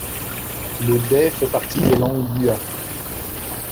Le day fait partie des langues bua.